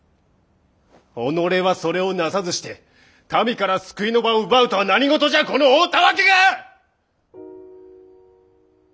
己はそれをなさずして民から救いの場を奪うとは何事じゃこの大たわけが！